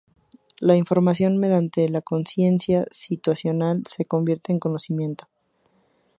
La información mediante la "consciencia situacional" se convierte en conocimiento.